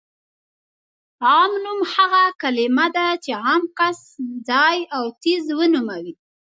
عام نوم هغه کلمه ده چې عام کس، ځای او څیز ونوموي.